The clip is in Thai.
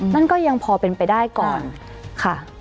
นั่นก็ยังพอเป็นไปได้ก่อนค่ะ